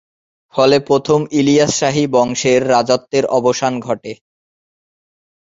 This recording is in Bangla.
ফলে প্রথম ইলিয়াস শাহী বংশের রাজত্বের অবসান ঘটে।